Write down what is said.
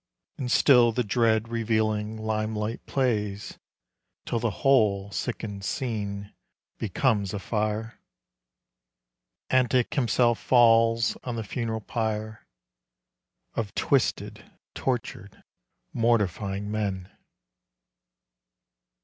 And till the dread revealing lime light plays Till the whole sicken'd scene b< ifire. Ant i« himseli tails on the funeral ;( )t twisted, tortured, mortifying men.